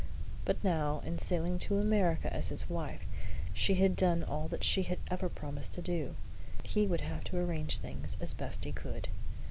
But now, in sailing to America as his wife, she had done all that she had ever promised to do. He would have to arrange things as best he could.